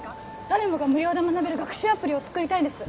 誰もが無料で学べる学習アプリを作りたいんです